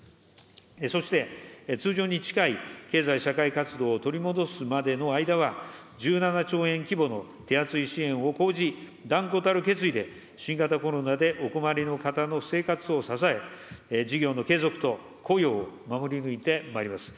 そして通常に近い経済社会活動を取り戻すまでの間は、１７兆円規模の手厚い支援を講じ、断固たる決意で、新型コロナでお困りの方の生活を支え、事業の継続と雇用を守り抜いてまいります。